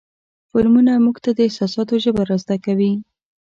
فلمونه موږ ته د احساساتو ژبه را زده کوي.